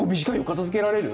かたづけられる？